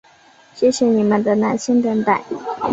谢谢你们的耐心等候！